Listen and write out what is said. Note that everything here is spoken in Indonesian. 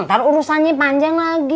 ntar urusannya panjang lagi